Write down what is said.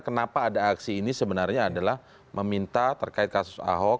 kenapa ada aksi ini sebenarnya adalah meminta terkait kasus ahok